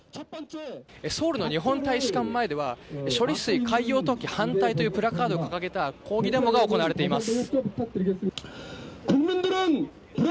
ソウルの日本大使館前では処理水海洋投棄反対といったプラカードを掲げた抗議デモが行われています。